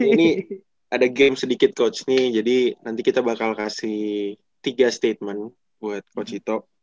ini ada game sedikit coach nih jadi nanti kita bakal kasih tiga statement buat coach itu